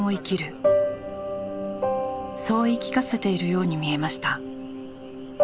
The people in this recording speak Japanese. そう言い聞かせているように見えました。